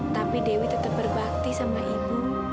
tapi dewi tetap berbakti sama ibu